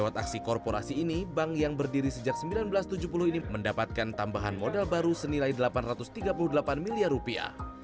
lewat aksi korporasi ini bank yang berdiri sejak seribu sembilan ratus tujuh puluh ini mendapatkan tambahan modal baru senilai delapan ratus tiga puluh delapan miliar rupiah